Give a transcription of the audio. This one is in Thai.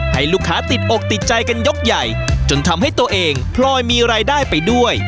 ให้ลูกค้าติดอกติดใจกันยกใหญ่จนทำให้ตัวเองพลอยมีรายได้ไปด้วย